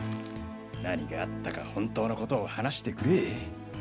何があったか本当のことを話してくれ。